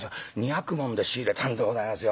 ２百文で仕入れたんでございますよ。